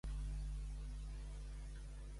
Què va fer en mudar-se a Madrid?